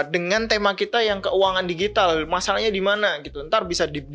dengan tema kita yang keuangan digital masalahnya dimana gitu ntar bisa deep dive disitu